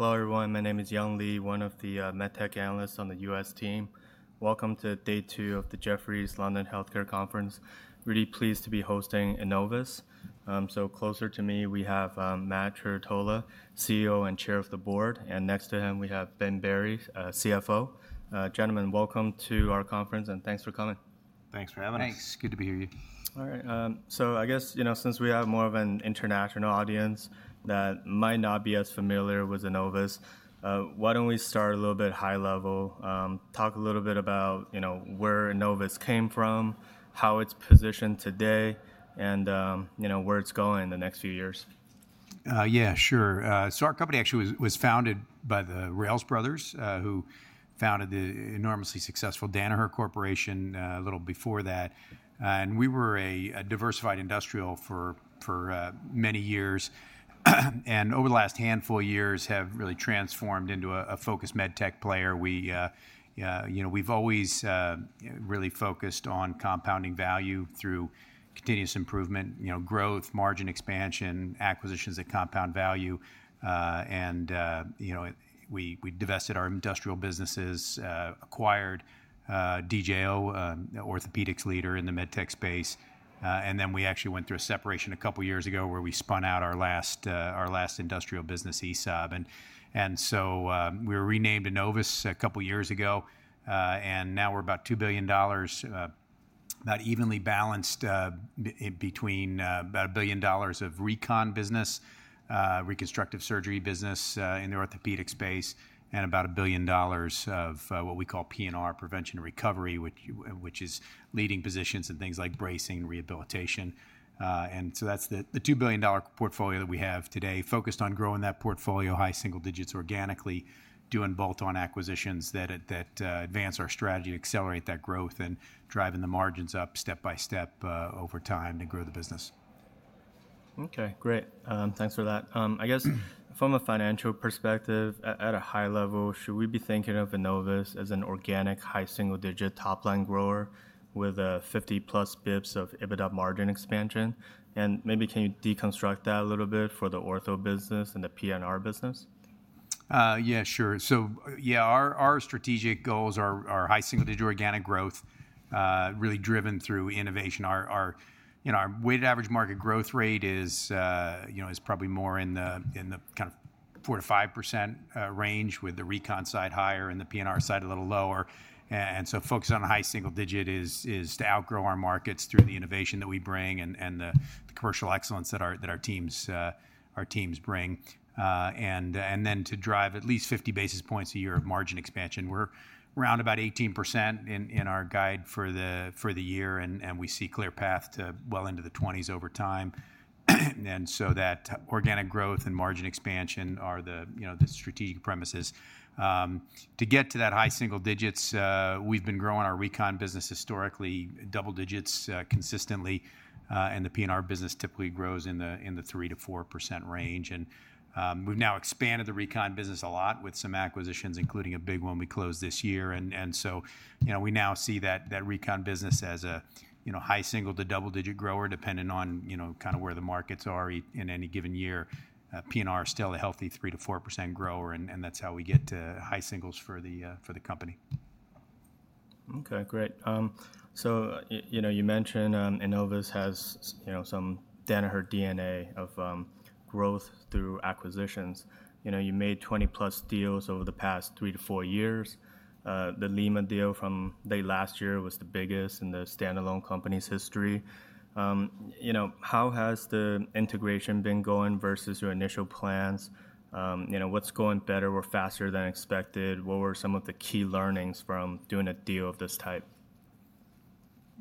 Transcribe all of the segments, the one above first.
Hello, everyone. My name is Yong Li, one of the MedTech analysts on the U.S. team. Welcome to day two of the Jefferies London Healthcare Conference. Really pleased to be hosting Enovis so closer to me, we have Matt Trerotola, CEO and Chair of the Board. And next to him, we have Ben Berry, CFO. Gentlemen, welcome to our conference, and thanks for coming. Thanks for having us. Thanks. Good to be here, you. All right, so I guess, you know, since we have more of an international audience that might not be as familiar with Enovis, why don't we start a little bit high level, talk a little bit about, you know, where Enovis came from, how it's positioned today, and, you know, where it's going in the next few years. Yeah, sure. So our company actually was founded by the Rales Brothers, who founded the enormously successful Danaher Corporation, a little before that. We were a diversified industrial for many years. Over the last handful of years, have really transformed into a focused MedTech player. We, you know, we've always really focused on compounding value through continuous improvement, you know, growth, margin expansion, acquisitions that compound value. You know, we divested our industrial businesses, acquired DJO, orthopedics leader in the MedTech space. Then we actually went through a separation a couple of years ago where we spun out our last industrial business, ESAB. So we were renamed Enovis a couple of years ago. And now we're about $2 billion, about evenly balanced, between about $1 billion of recon business, reconstructive surgery business, in the orthopedic space, and about $1 billion of what we call P&R, prevention and recovery, which is leading positions in things like bracing and rehabilitation. And so that's the $2 billion portfolio that we have today, focused on growing that portfolio, high single digits organically, doing bolt-on acquisitions that advance our strategy, accelerate that growth, and driving the margins up step by step, over time to grow the business. Okay. Great. Thanks for that. I guess from a financial perspective, at a high level, should we be thinking of Enovis as an organic, high single digit top line grower with 50 plus basis points of EBITDA margin expansion? And maybe can you deconstruct that a little bit for the ortho business and the P&R business? Yeah, sure. So, yeah, our strategic goals are high single digit organic growth, really driven through innovation. Our you know, our weighted average market growth rate is you know, is probably more in the kind of 4%-5% range with the recon side higher and the P&R side a little lower. So focus on high single digit is to outgrow our markets through the innovation that we bring and the commercial excellence that our teams bring. Then to drive at least 50 basis points a year of margin expansion. We're around about 18% in our guide for the year. We see clear path to well into the 20s over time. That organic growth and margin expansion are the you know, the strategic premises. To get to that high single digits, we've been growing our recon business historically, double digits, consistently. The P&R business typically grows in the 3%-4% range. We've now expanded the recon business a lot with some acquisitions, including a big one we closed this year. So, you know, we now see that recon business as a, you know, high single- to double-digit grower, depending on, you know, kind of where the markets are in any given year. PNR is still a healthy 3%-4% grower. That's how we get to high singles for the company. Okay. Great. So, you know, you mentioned, Enovis has, you know, some Danaher DNA of growth through acquisitions. You know, you made 20 plus deals over the past three to four years. The Lima deal from late last year was the biggest in the standalone company's history. You know, how has the integration been going versus your initial plans? You know, what's going better or faster than expected? What were some of the key learnings from doing a deal of this type?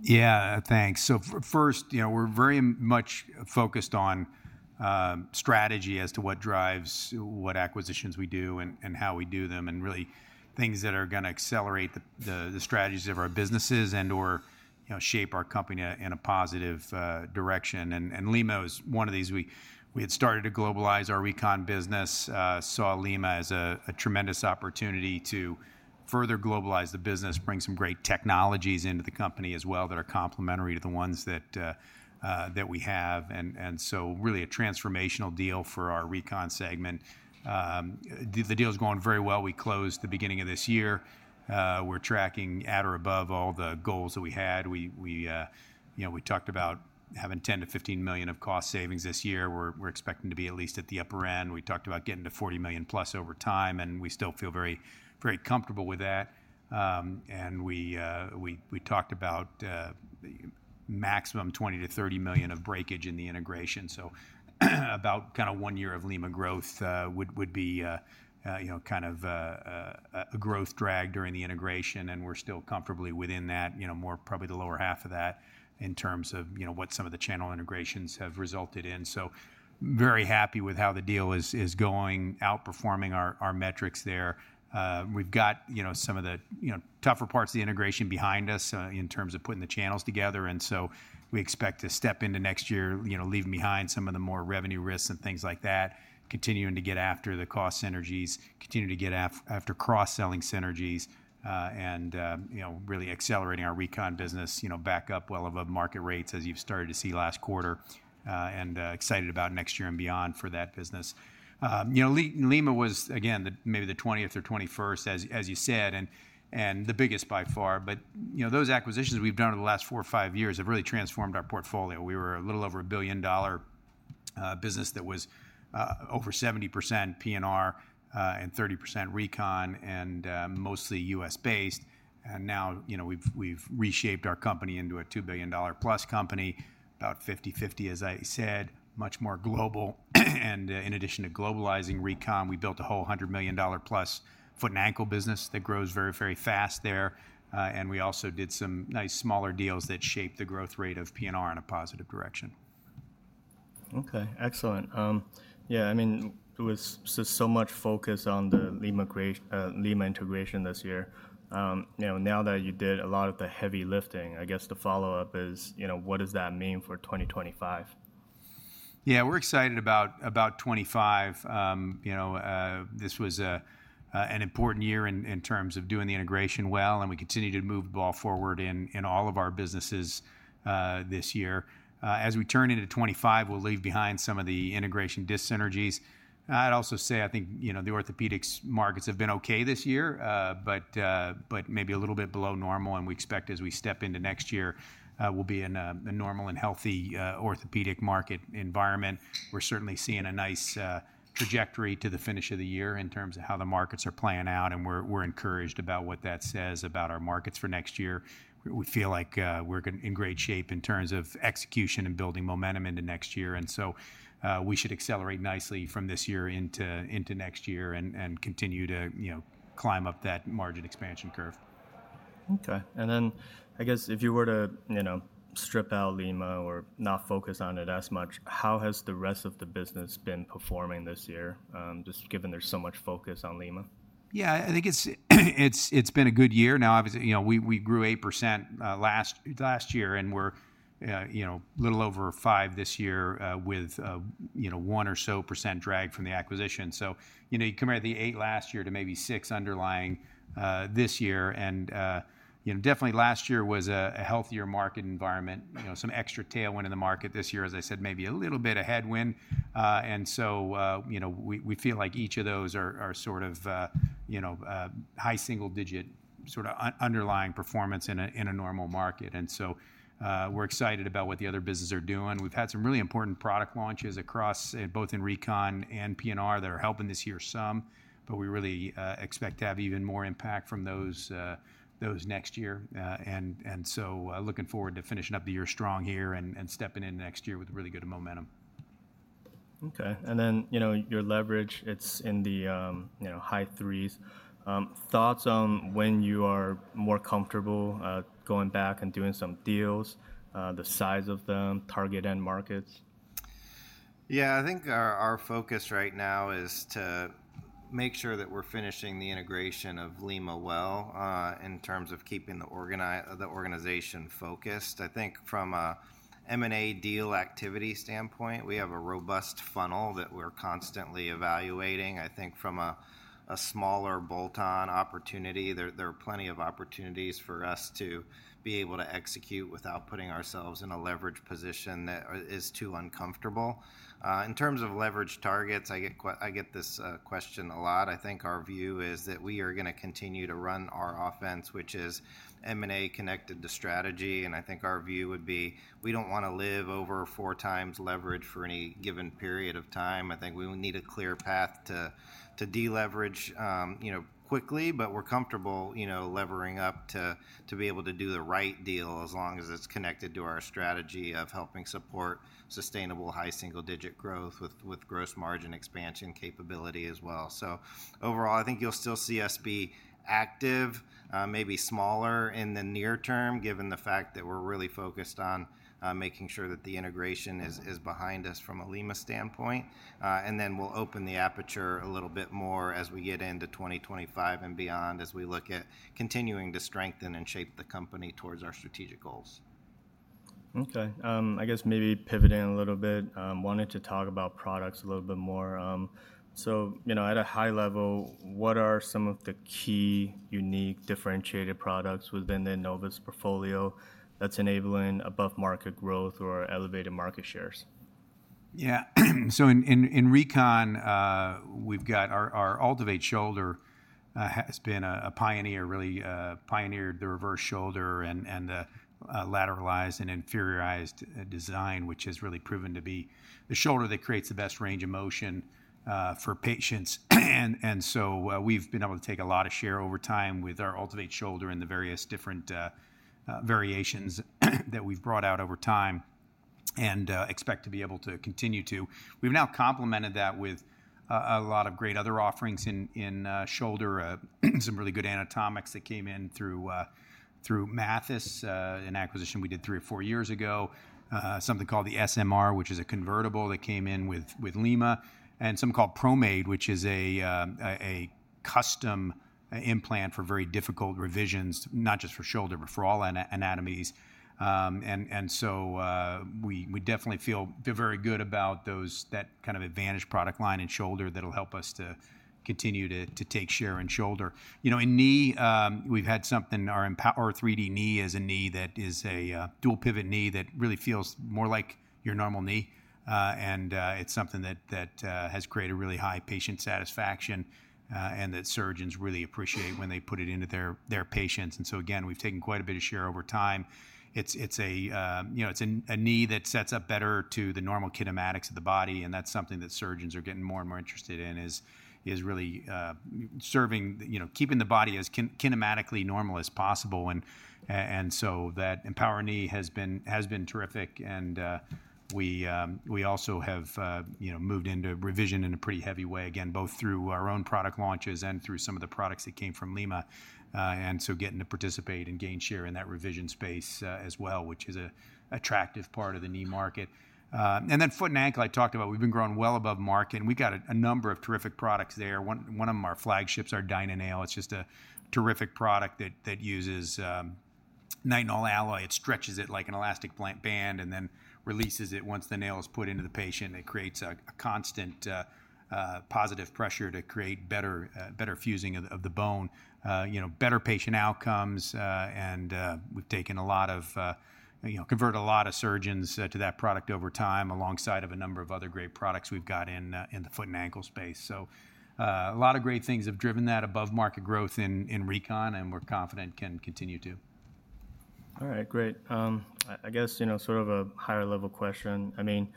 Yeah, thanks, so first, you know, we're very much focused on strategy as to what drives what acquisitions we do and how we do them, and really things that are going to accelerate the strategies of our businesses and or, you know, shape our company in a positive direction, and Lima is one of these. We had started to globalize our recon business, saw Lima as a tremendous opportunity to further globalize the business, bring some great technologies into the company as well that are complementary to the ones that we have, and so really a transformational deal for our recon segment. The deal's going very well. We closed the beginning of this year. We're tracking at or above all the goals that we had. You know, we talked about having $10 to 15 million of cost savings this year. We're expecting to be at least at the upper end. We talked about getting to $40 million plus over time, and we still feel very comfortable with that. We talked about maximum $20 to 30 million of breakage in the integration. So about kind of one year of Lima growth would be, you know, kind of a growth drag during the integration. We're still comfortably within that, you know, more probably the lower half of that in terms of, you know, what some of the channel integrations have resulted in. Very happy with how the deal is going, outperforming our metrics there. We've got, you know, some of the, you know, tougher parts of the integration behind us, in terms of putting the channels together. And so we expect to step into next year, you know, leaving behind some of the more revenue risks and things like that, continuing to get after the cost synergies, continuing to get after cross-selling synergies, and, you know, really accelerating our recon business, you know, back up well above market rates as you've started to see last quarter, and excited about next year and beyond for that business. You know, Lima was, again, maybe the 20th or 21st, as you said, and the biggest by far. But, you know, those acquisitions we've done over the last four or five years have really transformed our portfolio. We were a little over a billion-dollar business that was over 70% P&R and 30% Recon and mostly U.S.-based, and now, you know, we've reshaped our company into a $2 billion-plus company, about 50/50, as I said, much more global, and in addition to globalizing Recon, we built a whole $100 million-plus foot and ankle business that grows very, very fast there, and we also did some nice smaller deals that shaped the growth rate of P&R in a positive direction. Okay. Excellent. Yeah, I mean, it was so much focus on the Lima acquisition, Lima integration this year. You know, now that you did a lot of the heavy lifting, I guess the follow-up is, you know, what does that mean for 2025? Yeah, we're excited about 2025. You know, this was an important year in terms of doing the integration well, and we continue to move the ball forward in all of our businesses this year. As we turn into 2025, we'll leave behind some of the integration dis-synergies. I'd also say, I think, you know, the orthopedics markets have been okay this year, but maybe a little bit below normal, and we expect as we step into next year, we'll be in a normal and healthy orthopedic market environment. We're certainly seeing a nice trajectory to the finish of the year in terms of how the markets are playing out, and we're encouraged about what that says about our markets for next year. We feel like we're in great shape in terms of execution and building momentum into next year. And so, we should accelerate nicely from this year into next year and continue to, you know, climb up that margin expansion curve. Okay. And then I guess if you were to, you know, strip out Lima or not focus on it as much, how has the rest of the business been performing this year, just given there's so much focus on Lima? Yeah, I think it's been a good year. Now, obviously, you know, we grew 8% last year, and we're, you know, a little over 5% this year, with, you know, 1% or so drag from the acquisition. So, you know, you compare the 8% last year to maybe 6% underlying this year. And, you know, definitely last year was a healthier market environment. You know, some extra tailwind in the market this year, as I said, maybe a little bit of headwind. And so, you know, we feel like each of those are sort of, you know, high single digit sort of underlying performance in a normal market. And so, we're excited about what the other businesses are doing. We've had some really important product launches across both in recon and PNR that are helping this year some, but we really expect to have even more impact from those next year. And so, looking forward to finishing up the year strong here and stepping into next year with really good momentum. Okay. And then, you know, your leverage, it's in the, you know, high threes. Thoughts on when you are more comfortable going back and doing some deals, the size of them, target end markets? Yeah, I think our focus right now is to make sure that we're finishing the integration of Lima well, in terms of keeping the organization focused. I think from a M&A deal activity standpoint, we have a robust funnel that we're constantly evaluating. I think from a smaller bolt-on opportunity, there are plenty of opportunities for us to be able to execute without putting ourselves in a leverage position that is too uncomfortable. In terms of leverage targets, I get this question a lot. I think our view is that we are going to continue to run our offense, which is M&A connected to strategy. And I think our view would be we don't want to live over four times leverage for any given period of time. I think we need a clear path to deleverage, you know, quickly, but we're comfortable, you know, levering up to be able to do the right deal as long as it's connected to our strategy of helping support sustainable high single digit growth with gross margin expansion capability as well. So overall, I think you'll still see us be active, maybe smaller in the near term, given the fact that we're really focused on making sure that the integration is behind us from a Lima standpoint. And then we'll open the aperture a little bit more as we get into 2025 and beyond as we look at continuing to strengthen and shape the company towards our strategic goals. Okay. I guess maybe pivoting a little bit, wanted to talk about products a little bit more, so you know, at a high level, what are some of the key unique differentiated products within the Enovis portfolio that's enabling above market growth or elevated market shares? Yeah. So in Recon, we've got our AltiVate Shoulder, has been a pioneer, really, pioneered the reverse shoulder and the lateralized and inferiorized design, which has really proven to be the shoulder that creates the best range of motion for patients. And so, we've been able to take a lot of share over time with our AltiVate Shoulder and the various different variations that we've brought out over time and expect to be able to continue to. We've now complemented that with a lot of great other offerings in shoulder, some really good anatomics that came in through Mathys, an acquisition we did three or four years ago, something called the SMR, which is a convertible that came in with Lima, and something called ProMade, which is a custom implant for very difficult revisions, not just for shoulder, but for all anatomies, and so we definitely feel very good about those, that kind of advantage product line and shoulder that'll help us to continue to take share in shoulder. You know, in knee, we've had something, our EMPOWR 3D Knee is a knee that is a dual pivot knee that really feels more like your normal knee. It's something that has created really high patient satisfaction, and that surgeons really appreciate when they put it into their patients. So again, we've taken quite a bit of share over time. It's, you know, a knee that sets up better to the normal kinematics of the body. That's something that surgeons are getting more and more interested in, really serving, you know, keeping the body as kinematically normal as possible. So that EMPOWR knee has been terrific. We also have, you know, moved into revision in a pretty heavy way, again, both through our own product launches and through some of the products that came from Lima. So getting to participate and gain share in that revision space, as well, which is an attractive part of the knee market. Foot and ankle, I talked about, we've been growing well above market. We've got a number of terrific products there. One of them are flagships, our DynaNail. It's just a terrific product that uses Nitinol alloy. It stretches it like a rubber band and then releases it once the nail is put into the patient. It creates a constant, positive pressure to create better fusing of the bone, you know, better patient outcomes. We've taken a lot of, you know, converted a lot of surgeons to that product over time alongside a number of other great products we've got in the foot and ankle space. So, a lot of great things have driven that above market growth in Recon, and we're confident can continue to. All right, great. I guess, you know, sort of a higher level question. I mean,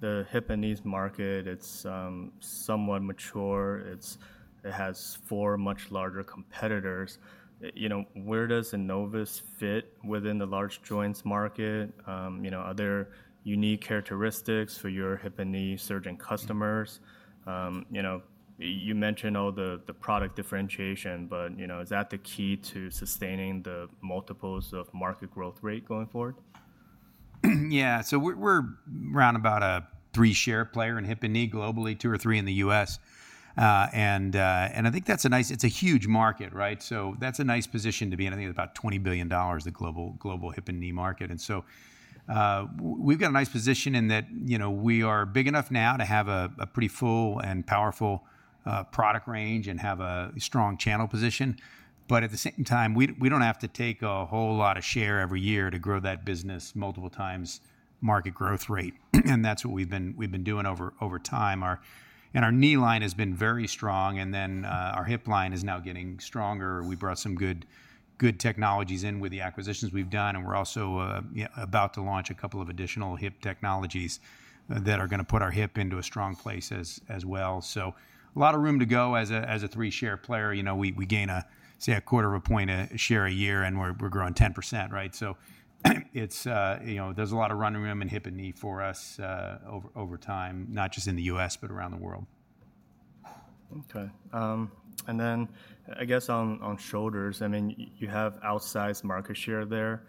the hip and knees market, it's somewhat mature. It has four much larger competitors. You know, where does Enovis fit within the large joints market? You know, are there unique characteristics for your hip and knee surgeon customers? You know, you mentioned all the product differentiation, but, you know, is that the key to sustaining the multiples of market growth rate going forward? Yeah. So we're around about a three-share player in hip and knee globally, two or three in the US, and I think that's a nice. It's a huge market, right? So that's a nice position to be, and I think it's about $20 billion of the global hip and knee market, and so we've got a nice position in that, you know, we are big enough now to have a pretty full and powerful product range and have a strong channel position. But at the same time, we don't have to take a whole lot of share every year to grow that business multiple times market growth rate. And that's what we've been doing over time. Our and our knee line has been very strong, and then our hip line is now getting stronger. We brought some good, good technologies in with the acquisitions we've done. We're also about to launch a couple of additional hip technologies that are going to put our hip into a strong place as well. So a lot of room to go as a three-share player. You know, we gain a, say, a quarter of a point a share a year, and we're growing 10%, right? So it's, you know, there's a lot of running room in hip and knee for us, over time, not just in the U.S., but around the world. Okay. And then I guess on shoulders, I mean, you have outsized market share there.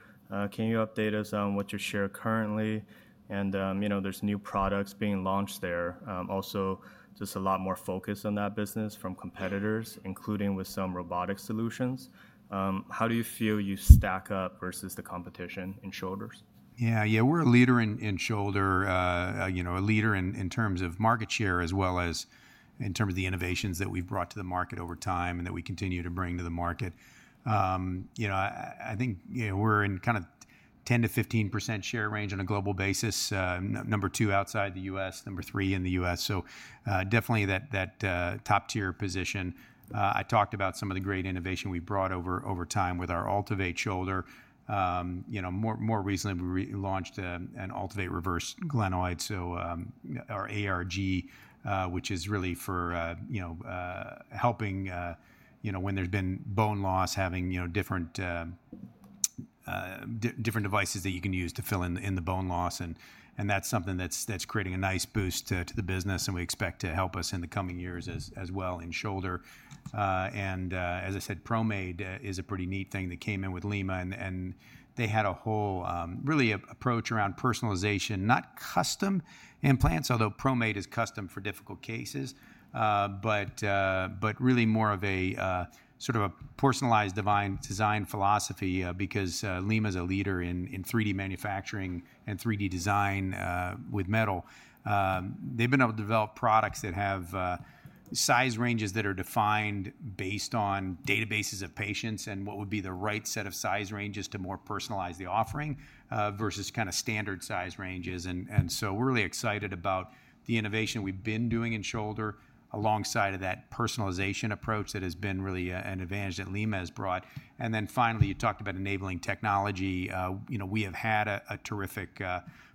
Can you update us on what you share currently? And, you know, there's new products being launched there. Also just a lot more focus on that business from competitors, including with some robotic solutions. How do you feel you stack up versus the competition in shoulders? Yeah, yeah, we're a leader in shoulder, you know, a leader in terms of market share as well as in terms of the innovations that we've brought to the market over time and that we continue to bring to the market. You know, I think, you know, we're in kind of 10% to 15% share range on a global basis. Number two outside the U.S., number three in the U.S. So, definitely that top tier position. I talked about some of the great innovation we brought over time with our AltiVate Shoulder. You know, more recently we launched an AltiVate Reverse Glenoid. So, our ARG, which is really for, you know, helping, you know, when there's been bone loss, having, you know, different devices that you can use to fill in the bone loss. And that's something that's creating a nice boost to the business. And we expect it to help us in the coming years as well in shoulder. And, as I said, ProMade is a pretty neat thing that came in with Lima. And they had a whole really approach around personalization, not custom implants, although ProMade is custom for difficult cases. But really more of a sort of a personalized design philosophy, because Lima is a leader in 3D manufacturing and 3D design with metal. They've been able to develop products that have size ranges that are defined based on databases of patients and what would be the right set of size ranges to more personalize the offering, versus kind of standard size ranges. So we're really excited about the innovation we've been doing in shoulder alongside of that personalization approach that has been really an advantage that Lima has brought. Then finally, you talked about enabling technology. You know, we have had a terrific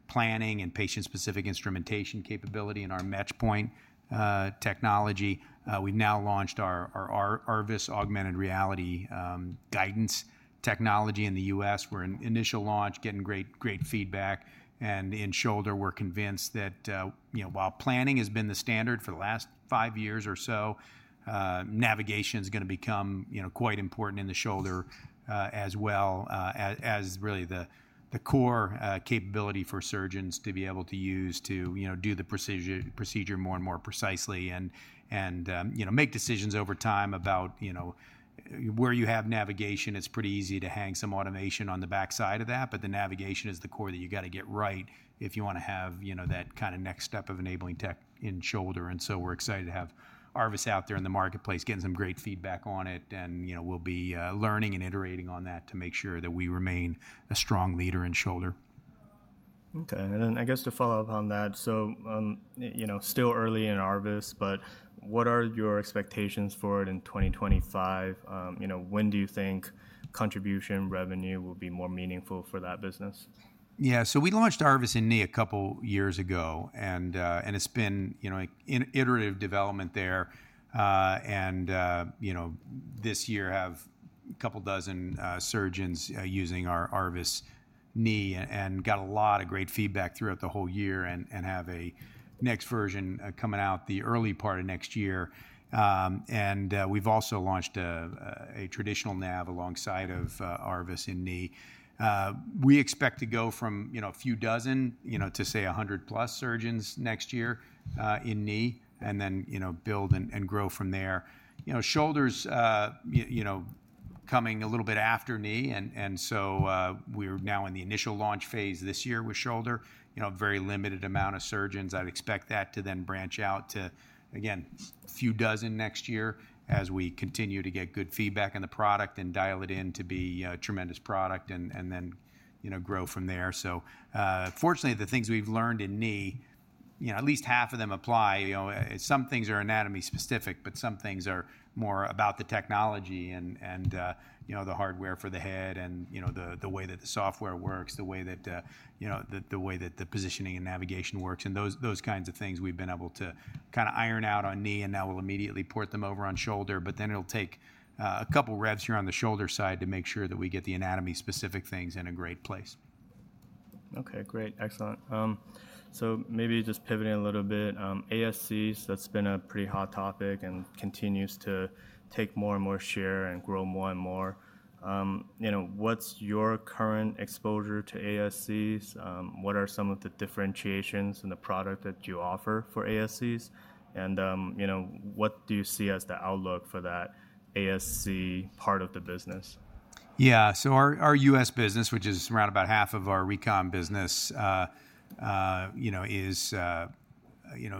planning and patient-specific instrumentation capability in our Match Point technology. We've now launched our ARVIS augmented reality guidance technology in the US. We're in initial launch, getting great feedback. In shoulder, we're convinced that, you know, while planning has been the standard for the last five years or so, navigation is going to become, you know, quite important in the shoulder, as well, as really the core capability for surgeons to be able to use to, you know, do the procedure more and more precisely and, you know, make decisions over time about, you know, where you have navigation. It's pretty easy to hang some automation on the backside of that, but the navigation is the core that you got to get right if you want to have, you know, that kind of next step of enabling tech in shoulder. We're excited to have ARVIS out there in the marketplace, getting some great feedback on it. You know, we'll be learning and iterating on that to make sure that we remain a strong leader in shoulder. Okay. And then I guess to follow up on that, so, you know, still early in ARVIS, but what are your expectations for it in 2025? You know, when do you think contribution revenue will be more meaningful for that business? Yeah. So we launched ARVIS in knee a couple years ago, and it's been, you know, in iterative development there. You know, this year have a couple dozen surgeons using our ARVIS knee, and got a lot of great feedback throughout the whole year, and have a next version coming out the early part of next year. We've also launched a traditional nav alongside of ARVIS in knee. We expect to go from, you know, a few dozen, you know, to say a hundred plus surgeons next year in knee, and then, you know, build and grow from there. You know, shoulders, you know, coming a little bit after knee. We're now in the initial launch phase this year with shoulder, you know, a very limited amount of surgeons. I'd expect that to then branch out to, again, a few dozen next year as we continue to get good feedback on the product and dial it in to be a tremendous product, and then, you know, grow from there. So, fortunately, the things we've learned in knee, you know, at least half of them apply, you know, some things are anatomy specific, but some things are more about the technology and, you know, the hardware for the head and, you know, the way that the software works, the way that, you know, the way that the positioning and navigation works and those kinds of things we've been able to kind of iron out on knee and now we'll immediately port them over on shoulder, but then it'll take a couple revs here on the shoulder side to make sure that we get the anatomy specific things in a great place. Okay. Great. Excellent. So maybe just pivoting a little bit, ASCs, that's been a pretty hot topic and continues to take more and more share and grow more and more. You know, what's your current exposure to ASCs? What are some of the differentiations in the product that you offer for ASCs? And, you know, what do you see as the outlook for that ASC part of the business? Yeah. So our U.S. business, which is around about half of our recon business, you know,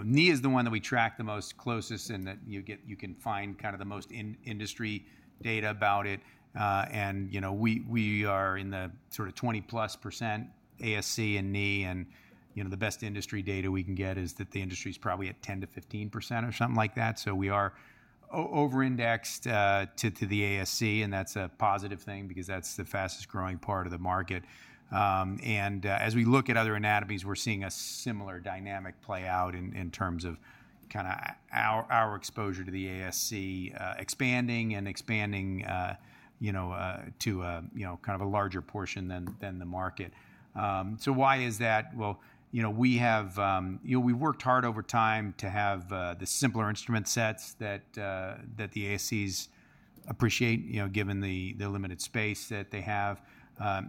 knee is the one that we track the most closest and that you get, you can find kind of the most in industry data about it. And, you know, we are in the sort of 20+% ASC and knee and, you know, the best industry data we can get is that the industry is probably at 10% to 15% or something like that. So we are over indexed to the ASC and that's a positive thing because that's the fastest growing part of the market. And as we look at other anatomies, we're seeing a similar dynamic play out in terms of kind of our exposure to the ASC expanding, you know, to you know kind of a larger portion than the market. So why is that? Well, you know, we've worked hard over time to have the simpler instrument sets that the ASCs appreciate, you know, given the limited space that they have.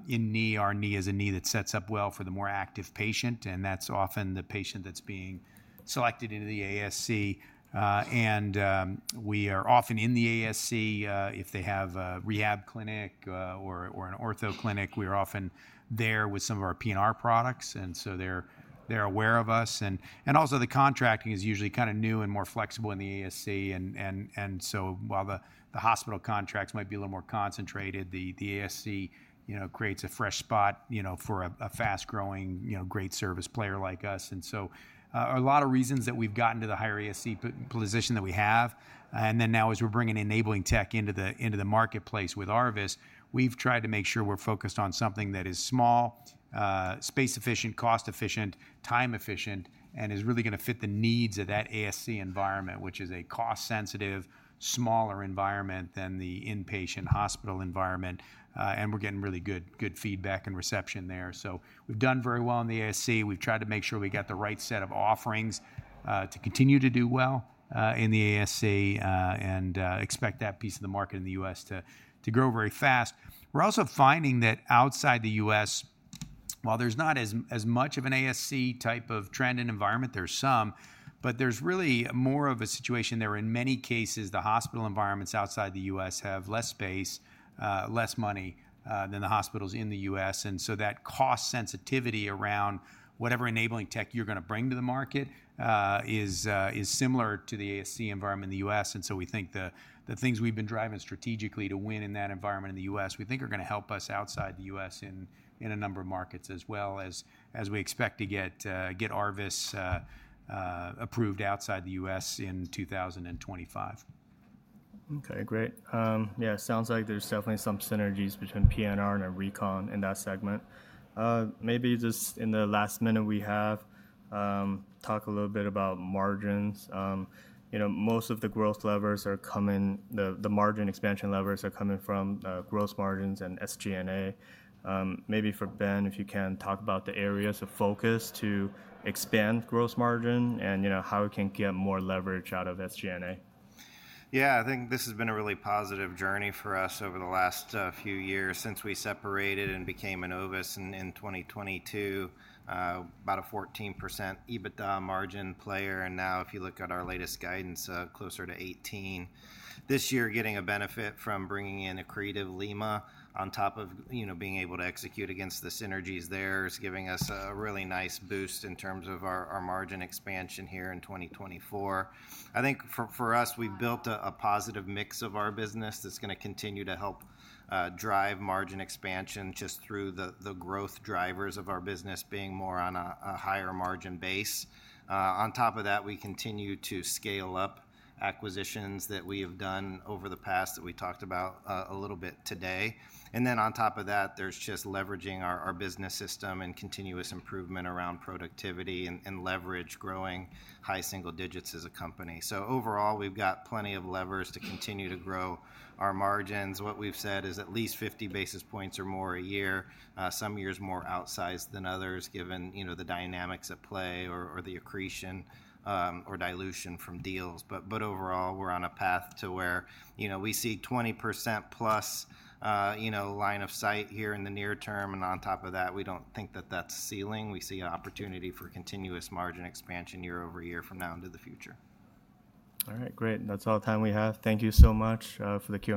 In knee, our knee is a knee that sets up well for the more active patient. And that's often the patient that's being selected into the ASC. And we are often in the ASC if they have a rehab clinic or an ortho clinic. We are often there with some of our P&R products. And so they're aware of us. Also, the contracting is usually kind of new and more flexible in the ASC. And so while the hospital contracts might be a little more concentrated, the ASC, you know, creates a fresh spot, you know, for a fast growing, you know, great service player like us. And so, a lot of reasons that we've gotten to the higher ASC position that we have. And then now as we're bringing enabling tech into the marketplace with ARVIS, we've tried to make sure we're focused on something that is small, space efficient, cost efficient, time efficient, and is really going to fit the needs of that ASC environment, which is a cost sensitive, smaller environment than the inpatient hospital environment. And we're getting really good feedback and reception there. So we've done very well in the ASC. We've tried to make sure we got the right set of offerings to continue to do well in the ASC, and expect that piece of the market in the US to grow very fast. We're also finding that outside the US, while there's not as much of an ASC type of trend and environment, there's some, but there's really more of a situation there. In many cases, the hospital environments outside the US have less space, less money than the hospitals in the US, and so that cost sensitivity around whatever enabling tech you're going to bring to the market is similar to the ASC environment in the US. And so we think the things we've been driving strategically to win in that environment in the US, we think are going to help us outside the US in a number of markets as well as we expect to get ARVIS approved outside the US in 2025. Okay. Great. Yeah, it sounds like there's definitely some synergies between P&R and recon in that segment. Maybe just in the last minute we have, talk a little bit about margins. You know, most of the growth levers are coming, the margin expansion levers are coming from gross margins and SG&A. Maybe for Ben, if you can talk about the areas of focus to expand gross margin and, you know, how it can get more leverage out of SG&A. Yeah, I think this has been a really positive journey for us over the last few years since we separated and became Enovis in 2022, about a 14% EBITDA margin player. Now if you look at our latest guidance, closer to 18% this year, getting a benefit from bringing in an accretive Lima on top of, you know, being able to execute against the synergies there, is giving us a really nice boost in terms of our margin expansion here in 2024. I think for us, we've built a positive mix of our business that's going to continue to help drive margin expansion just through the growth drivers of our business being more on a higher margin base. On top of that, we continue to scale up acquisitions that we have done over the past that we talked about, a little bit today. And then, on top of that, there's just leveraging our business system and continuous improvement around productivity and leverage growing high single digits as a company, so overall, we've got plenty of levers to continue to grow our margins. What we've said is at least 50 basis points or more a year, some years more outsized than others, given you know the dynamics at play or the accretion or dilution from deals, but overall, we're on a path to where you know we see 20% plus line of sight here in the near term, and on top of that, we don't think that that's ceiling. We see an opportunity for continuous margin expansion year over year from now into the future. All right. Great. That's all the time we have. Thank you so much for the.